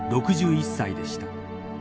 ６１歳でした。